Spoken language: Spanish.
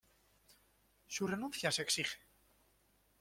Su renuncia se exige.